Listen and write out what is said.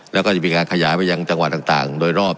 แล้วก็จะมีการขยายไปยังจังหวัดต่างโดยรอบ